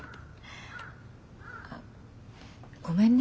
あごめんね。